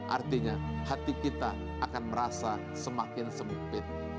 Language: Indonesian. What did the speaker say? artinya hati kita akan merasa semakin sempit